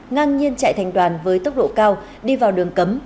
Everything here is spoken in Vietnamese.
ngang nhiên chạy thành đoàn với tốc độ cao đi vào đường cấm